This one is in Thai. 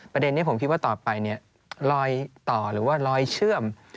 ประเด็นนี้ผมคิดว่าต่อไปเนี่ยรอยต่อหรือว่ารอยเชื่อม